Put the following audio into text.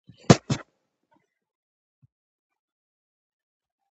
استازي چې شاوخوا وکتل یو ځای ورته کوږ ښکاره شو.